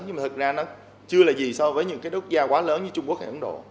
nhưng mà thật ra nó chưa là gì so với những cái đất nước quá lớn như trung quốc hay ấn độ